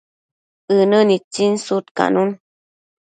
ënë nitsin sudcanun